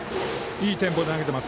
いいテンポで投げています。